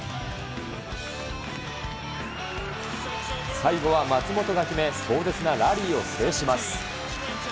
最後は松本が決め、壮絶なラリーを制します。